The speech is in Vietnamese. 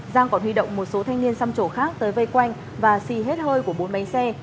giang còn huy động một số thanh niên xăm chỗ khác tới vây quanh và xì hết hơi của bốn máy xe